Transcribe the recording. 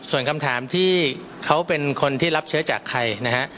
ส่วนคำถามที่เขาเป็นคนที่รับเชื้อจากใครนะฮะ